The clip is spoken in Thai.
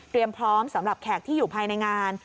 พร้อมสำหรับแขกที่อยู่ภายในงาน